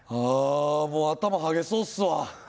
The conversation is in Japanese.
もう頭はげそうっすわ。